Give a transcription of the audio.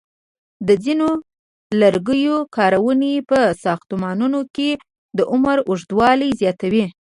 د ځینو لرګیو کارونې په ساختمانونو کې د عمر اوږدوالی زیاتوي.